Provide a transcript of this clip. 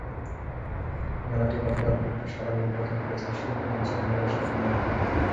মেলাটি গতকাল বুধবার সকালে উদ্বোধন করেছেন শিল্পমন্ত্রী আমির হোসেন আমু।